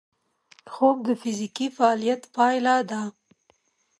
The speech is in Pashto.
خوب د فزیکي فعالیت پایله ده